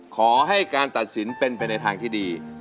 ขอให้การตัดสินเป็นไปในทางที่ดี